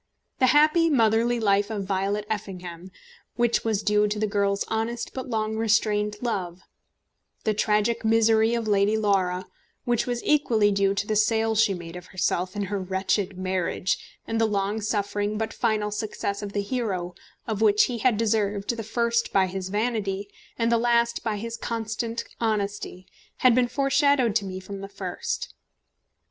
The happy motherly life of Violet Effingham, which was due to the girl's honest but long restrained love; the tragic misery of Lady Laura, which was equally due to the sale she made of herself in her wretched marriage; and the long suffering but final success of the hero, of which he had deserved the first by his vanity, and the last by his constant honesty, had been foreshadowed to me from the first.